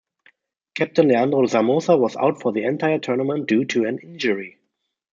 Captain Leandro Somoza was out for the entire tournament due to an injury.